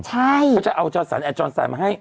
เขาจะเอาจชแอทฟ์จอร์นไซต์มาให้